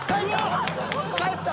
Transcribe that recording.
帰った！